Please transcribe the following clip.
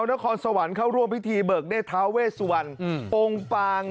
นครสะวันเขาร่วมพิธีเบิกดินทาเวสวัน